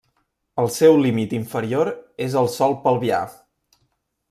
El seu límit inferior és el sòl pelvià.